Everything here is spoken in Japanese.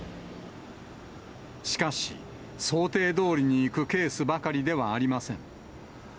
しかし、想定どおりにいくケースばかりではありません。